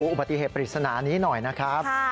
อุบัติเหตุปริศนานี้หน่อยนะครับ